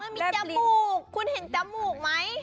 มีจมูกคุณเห็นจมูกไหม